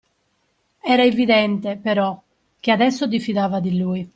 Era evidente, però, che adesso diffidava di lui.